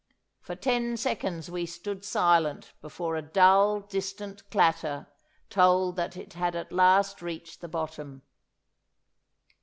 For ten seconds we stood silent before a dull distant clatter told that it had at last reached the bottom.